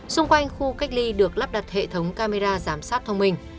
xung quanh khu cách ly được lắp đặt hệ thống camera giám sát thông minh